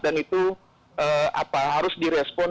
dan itu apa harus di respon